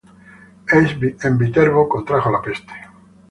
En Viterbo contrajo la peste.